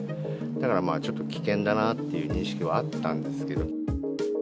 ただまあ、ちょっと危険だなっていう認識はあったんですけど。